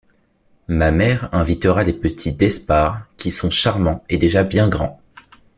Ma mère invitera les petits d’Espard qui sont charmants et déjà bien grands.